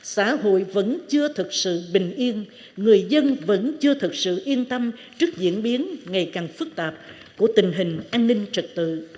xã hội vẫn chưa thực sự bình yên người dân vẫn chưa thực sự yên tâm trước diễn biến ngày càng phức tạp của tình hình an ninh trật tự